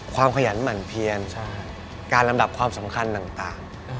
ขยันหมั่นเพียนการลำดับความสำคัญต่าง